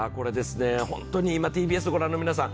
本当に今ＴＢＳを御覧の皆さん